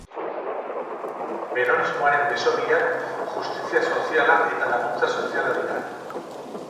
Peronismoaren beso biak justizia soziala eta laguntza soziala dira.